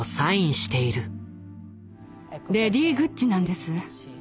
レディー・グッチなんです。